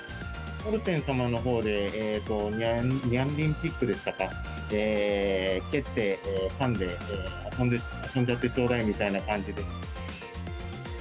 モルテン様のほうで、ニャンリンピックでしたか、蹴ってかんで遊んじゃってちょうだいみたいな感じで。